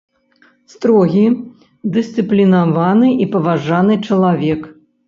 Строгі, дысцыплінаваны і паважаны чалавек.